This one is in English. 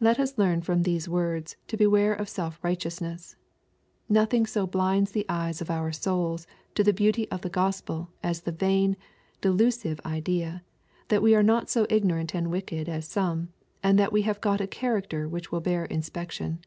Let us learn from these words to beware of self righteousness. Nothing so blinds the eyes of our souls to the beauty of the Gospel as the vain, delusive idea, that we are not so ignorant and wicked as some, and that we have got a character which will bear inspection.